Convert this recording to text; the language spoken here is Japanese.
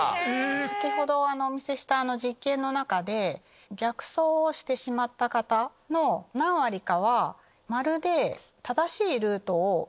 先ほどお見せした実験の中で逆走をしてしまった方の何割かはまるで。